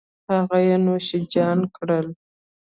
هغه یې نوش جان کړل